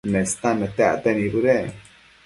Nestan nete acte nibëdec